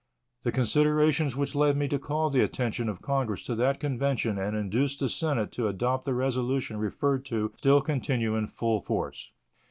The considerations which led me to call the attention of Congress to that convention and induced the Senate to adopt the resolution referred to still continue in full force.